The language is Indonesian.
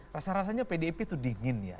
rasa rasanya pdip itu dingin ya